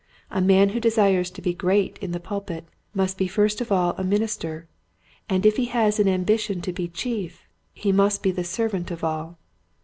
A man who desires to be "great " in the pulpit must be first of all a minister, and if he has an ambition to be chief he must be the servant of all.